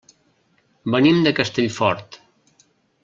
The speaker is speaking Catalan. Venim de Castellfort.